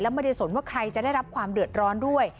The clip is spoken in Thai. ไม่ได้สนว่าใครจะได้รับความเดือดร้อนด้วย